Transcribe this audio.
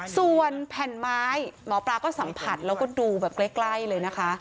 ส่วนแผ่นไม้หมอปลาก็สัมผัสแล้วก็ดูแบบใกล้เลยนะคะ